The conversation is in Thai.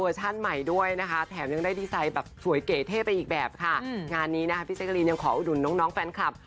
ด้วยนะคะแถมยังได้ดีไซน์แบบสวยเก๋เท่ไปอีกแบบค่ะงานนี้นะคะพี่แจ๊กรีนยังขออุดหนุนน้องน้องแฟนคลับ